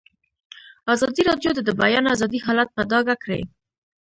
ازادي راډیو د د بیان آزادي حالت په ډاګه کړی.